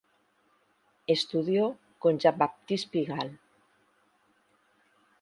Estudió con Jean-Baptiste Pigalle.